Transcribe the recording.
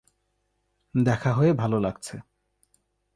দেখা হয়ে ভালো লাগছে।